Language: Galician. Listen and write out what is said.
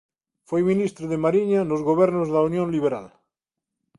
Foi ministro de Mariña nos gobernos da Unión Liberal.